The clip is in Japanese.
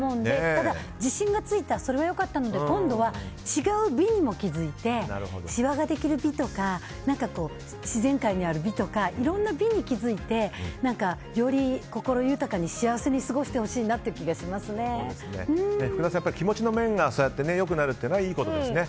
ただ、自信がついたのは良かったので今度は違う美にも気づいてしわができる美とか自然界にある美とかいろんな美に気づいてより心豊かに幸せに過ごしてほしいなという福田さん、気持ちの面が良くなるのはいいことですね。